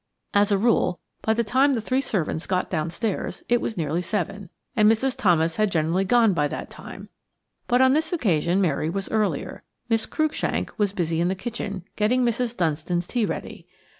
As a rule, by the time the three servants got downstairs, it was nearly seven, and Mrs. Thomas had generally gone by that time; but on this occasion Mary was earlier. Miss Cruikshank was busy in the kitchen getting Mrs. Dunstan's tea ready.